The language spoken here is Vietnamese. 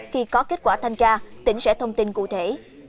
khi có kết quả thanh tra tỉnh sẽ thông tin cụ thể